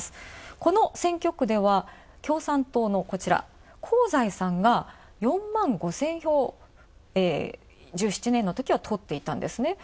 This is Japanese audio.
この選挙区では共産党の香西さんが４万５０００票を１７年のときはとっていたんですね。